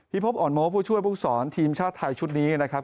พบอ่อนโม้ผู้ช่วยผู้สอนทีมชาติไทยชุดนี้นะครับ